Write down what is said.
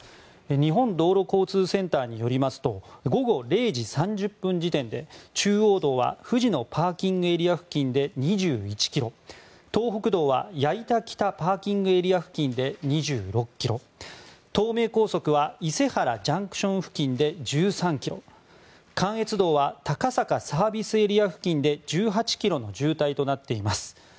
日本道路交通センターによりますと午後０時３０分時点で中央道は藤野ＰＡ付近で２１ｋｍ東北道は矢板北ＰＡ付近で２６ｋｍ東名高速は伊勢原ＪＣＴ付近で１３ｋｍ関越道は高坂ＳＡ付近で１８ｋｍの渋滞となっています。